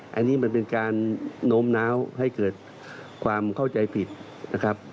อันนี้มันเป็นการโน้มน้าวให้เกิดความเข้าใจผิดนะครับ